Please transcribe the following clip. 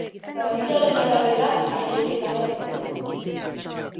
Familiaren arabera, erailketa bat izan zen.